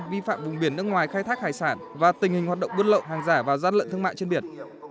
vi phạm vùng biển nước ngoài khai thác hải sản và tình hình hoạt động bước lậu hàng giả và gian lận thương mại trên biển